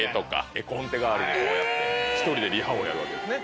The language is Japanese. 絵コンテ代わりに１人でリハをやるわけですね。